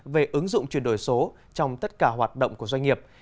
về ứng dụng chuyển đổi số trong tất cả hoạt động của doanh nghiệp